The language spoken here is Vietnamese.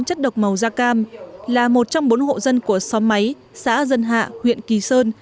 chất độc màu da cam là một trong bốn hộ dân của xóm máy xã dân hạ huyện kỳ sơn